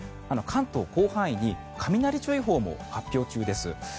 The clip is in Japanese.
関東、広範囲に雷注意報も発表中です。